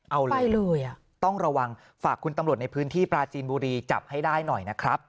เอาเลยอ่ะต้องระวังฝากคุณตำรวจในพื้นที่ปราจีนบุรีจับให้ได้หน่อยนะครับ